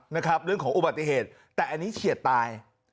นะครับเรื่องของอุบัติเหตุแต่อันนี้เฉียดตาย